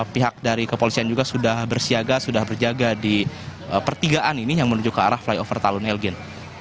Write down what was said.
pihak dari kepolisian juga sudah bersiaga sudah berjaga di pertigaan ini yang menuju ke arah flyover talun elgin